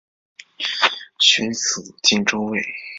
寻属靖州卫。